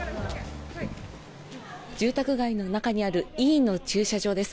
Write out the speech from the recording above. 住宅街の中にある医院の駐車場です。